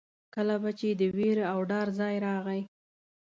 کله به چې د وېرې او ډار ځای راغی.